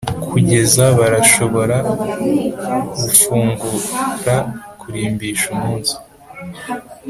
kugeza barashobora gufungura kurimbisha umunsi.